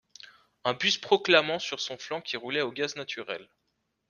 un bus proclamant sur son flanc qu’il roulait au gaz naturel